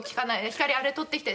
「星あれ取ってきて」